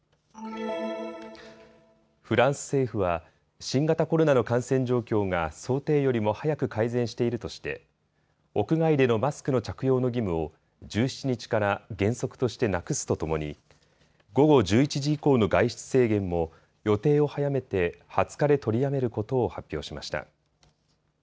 フランス政府は新型コロナの感染状況が想定よりも早く改善しているとして屋外でのマスクの着用の義務を１７日から原則としてなくすとともに午後１１時以降の外出制限も予定を早めて２０日で取りやめることを発表しました。